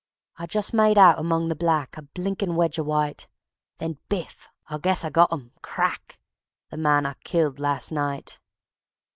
I just made out among the black A blinkin' wedge o' white; Then biff! I guess I got 'im crack The man I killed last night.